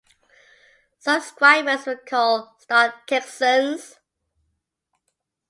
Subscribers were called "StarTexans".